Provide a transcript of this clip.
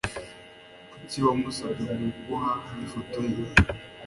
Kuki wamusabye kuguha ifoto ye?